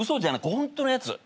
ホントのやつ。